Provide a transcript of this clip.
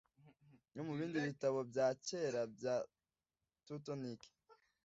no mu bindi bitabo bya kera bya Tutoniki